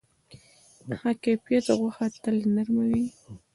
د ښه کیفیت غوښه تل نرم وي.